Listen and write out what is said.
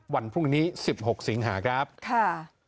วันพรุ่งนี้๑๖สิงหาครับค่ะ